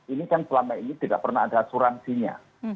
ini kan selama ini tidak pernah ada asuransinya